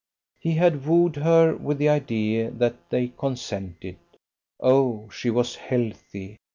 He had wooed her with the idea that they consented. O she was healthy!